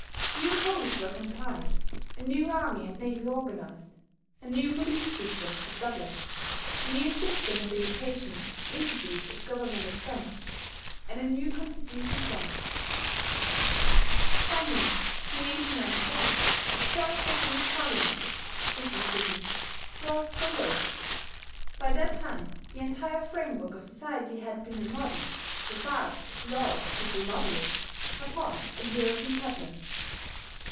New codes were compiled; a new army and navy organized; a new police system established; a new system of education introduced at Government expense; and a new constitution promised. Finally, in 1891, the first Japanese parliament (strictly speaking) was convoked. By that time the entire framework of society had been remodelled, so far as laws could remodel it, upon a European pattern.